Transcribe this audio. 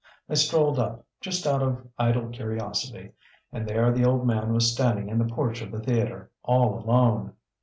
I strolled up, just out of idle curiosity, and there the old man was standing in the porch of the theatre, all alone!